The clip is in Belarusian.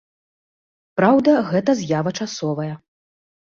Праўда, гэта з'ява часовая.